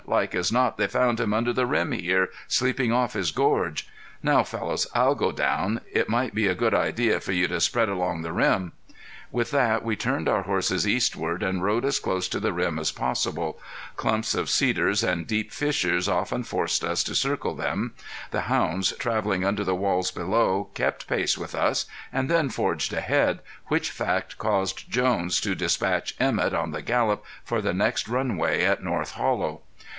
"Like as not they found him under the rim here, sleeping off his gorge. Now fellows, I'll go down. It might be a good idea for you to spread along the rim." [Illustration: TREED LION] [Illustration: HIDING] With that we turned our horses eastward and rode as close to the rim as possible. Clumps of cedars and deep fissures often forced us to circle them. The hounds, traveling under the walls below, kept pace with us and then forged ahead, which fact caused Jones to dispatch Emett on the gallop for the next runway at North Hollow.